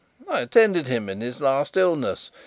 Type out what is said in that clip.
I attended him in his last illness.